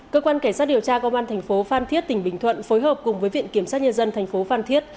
cơ quan kẻ sát điều tra công an tp phan thiết tỉnh bình thuận phối hợp cùng với viện kiểm soát nhân dân tp phan thiết